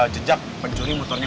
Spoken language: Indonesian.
jejak pencuri motornya